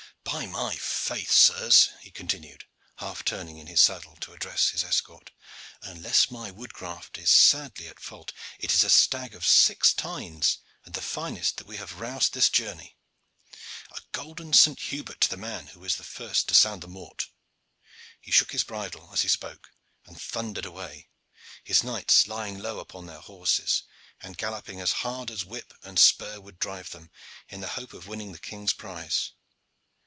"By my faith, sirs," he continued, half turning in his saddle to address his escort, "unless my woodcraft is sadly at fault, it is a stag of six tines and the finest that we have roused this journey. A golden St. Hubert to the man who is the first to sound the mort." He shook his bridle as he spoke, and thundered away, his knights lying low upon their horses and galloping as hard as whip and spur would drive them, in the hope of winning the king's prize.